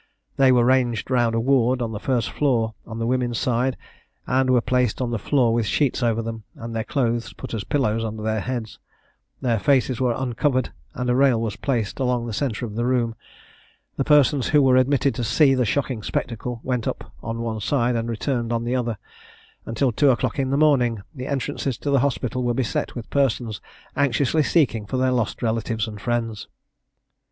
They were ranged round a ward on the first floor, on the women's side, and were placed on the floor with sheets over them, and their clothes put as pillows under their heads: their faces were uncovered: and a rail was placed along the centre of the room. The persons who were admitted to see the shocking spectacle went up on one side, and returned on the other. Until two o'clock in the morning, the entrances to the hospital were beset with persons anxiously seeking for their lost relatives and friends.